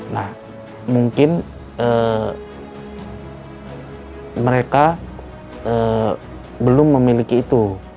nah mungkin mereka belum memiliki itu